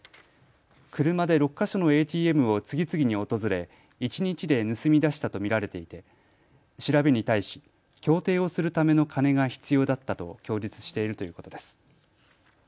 車で６か所のＡＴＭを次々に訪れ一日で盗み出したと見られていて調べに対し、競艇をするための金が必要だったと供述しているということです。